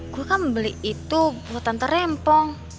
gue kan beli itu buat tante rempong